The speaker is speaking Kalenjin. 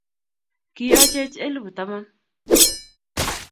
Kiyochech elpu taman.